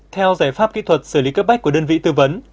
theo giải pháp kỹ thuật xử lý cấp bách của đơn vị tư vấn